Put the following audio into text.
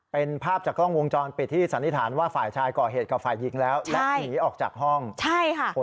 เป็นภาพจากกล้องวงจรปิดที่สันนิษฐานว่าฝ่ายชายก่อเหตุกับฝ่ายหญิงแล้วและหนีออกจากห้องใช่ค่ะ